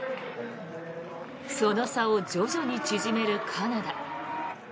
その差を徐々に縮めるカナダ。